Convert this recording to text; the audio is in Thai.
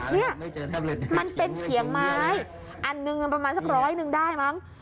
เนี่ยมันเป็นเขียงไม้อันหนึ่งประมาณสักร้อยหนึ่งได้มั้ง